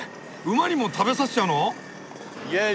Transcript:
馬にも食べさせちゃうの！？